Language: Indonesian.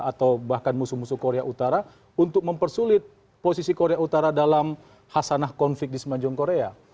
atau bahkan musuh musuh korea utara untuk mempersulit posisi korea utara dalam hasanah konflik di semajung korea